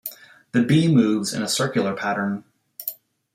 The bee moves in a circular pattern.